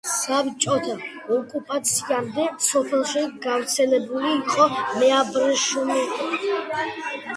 საბჭოთა ოკუპაციამდე სოფელში გავრცელებული იყო მეაბრეშუმეობა.